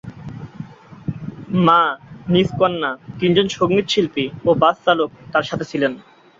মা, নিজ কন্যা, তিনজন সঙ্গীতশিল্পী ও বাস চালক তাঁর সাথে ছিলেন।